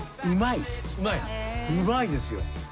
うまいですよ。